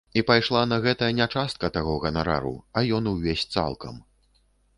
І пайшла на гэта не частка таго ганарару, а ён увесь, цалкам.